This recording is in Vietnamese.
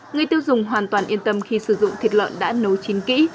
người tiêu dùng hoàn toàn yên tâm khi sử dụng thịt lợn đã nấu chín kỹ